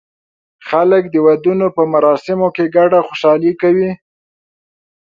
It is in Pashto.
خلک د ودونو په مراسمو کې ګډه خوشالي کوي.